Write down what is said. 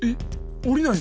おりないの？